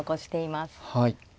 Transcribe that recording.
はい。